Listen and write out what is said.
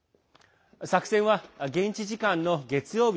作戦は現地時間の月曜日